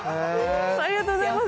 ありがとうございます。